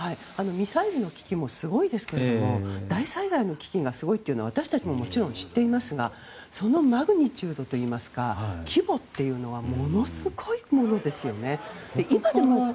ミサイルの危機もすごいですけれども大災害の危機がすごいというのは私たちももちろん知っていますがそのマグニチュードといいますか規模っていうのはものすごいものですよね。